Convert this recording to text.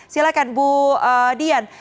silahkan bu dian